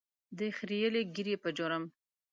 د خرییلې ږیرې په جرم.